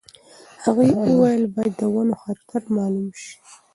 هغې وویل باید د ونو خطر مالوم شي.